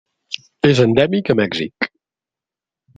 És endèmic a Mèxic.